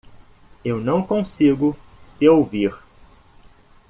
Eu não consigo te ouvir.